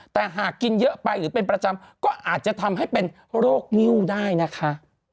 แต่หากกินเยอะไปหรือเป็นประจำก็อาจจะทำให้เป็นโรคนิ้วได้นะคะ